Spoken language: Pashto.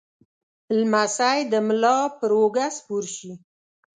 لمسی د ملا پر اوږه سپور شي.